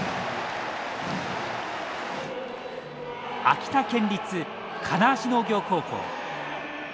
秋田県立金足農業高校。